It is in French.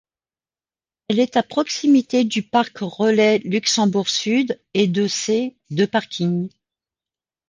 Elle est à proximité du parc relais Luxembourg-Sud et de ses de parking.